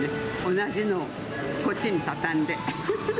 同じのを、こっちに畳んで。